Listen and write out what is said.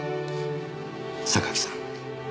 榊さん。